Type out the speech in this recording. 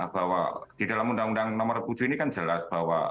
bahwa di dalam undang undang nomor tujuh ini kan jelas bahwa